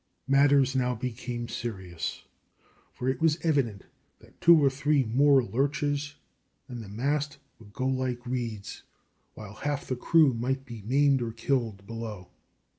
Matters now became serious, for it was evident that two or three more lurches and the masts would go like reeds, while half the crew might be maimed or killed below.